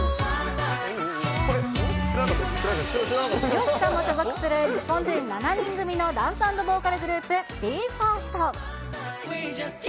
リョウキさんも所属する日本人７人組のダンス＆ボーカルグループ、ＢＥ：ＦＩＲＳＴ。